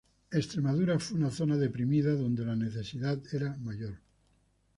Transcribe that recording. Extremadura fue una zona deprimida donde la necesidad era mayor.